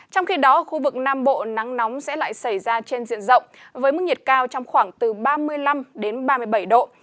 trong khi đó khu vực nam bộ nắng nóng sẽ lại xảy ra trên diện rộng với mức nhiệt cao trong khoảng từ ba mươi năm ba mươi bảy độ